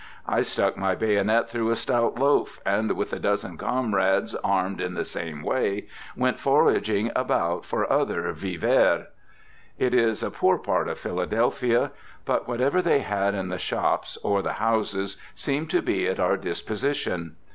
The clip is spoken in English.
I stuck my bayonet through a stout loaf, and, with a dozen comrades armed in the same way, went foraging about for other vivers. It is a poor part of Philadelphia; but whatever they had in the shops or the houses seemed to be at our disposition.